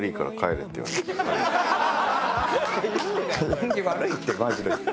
縁起悪いってマジで。